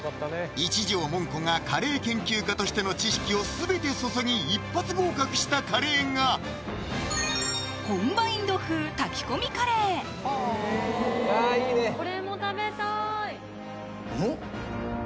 一条もんこがカレー研究家としての知識を全て注ぎ一発合格したカレーがあいいねこれも食べたいん？